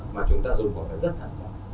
mà chúng ta dùng một cái rất tham gia